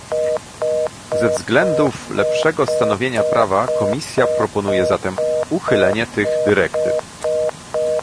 Ze względów lepszego stanowienia prawa Komisja proponuje zatem uchylenie tych dyrektyw